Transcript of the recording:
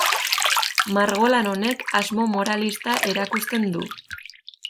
Margolan honek asmo moralista erakusten du.